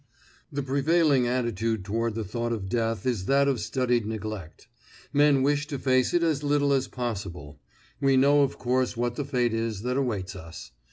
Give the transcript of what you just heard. The prevailing attitude toward the thought of death is that of studied neglect. Men wish to face it as little as possible. We know, of course, what the fate is that awaits us.